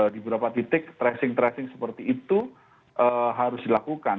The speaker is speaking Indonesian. di beberapa titik tracing tracing seperti itu harus dilakukan